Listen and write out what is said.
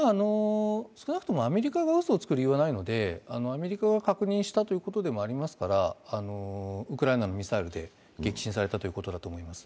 少なくともアメリカがうそをつく理由はないのでアメリカが確認したということでもありますから、ウクライナのミサイルで撃沈されたということだと思います。